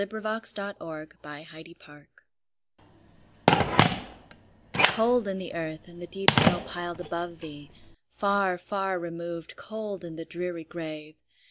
Emily Brontë Remembrance COLD in the earth, and the deep snow piled above thee! Far, far removed, cold in the dreary grave!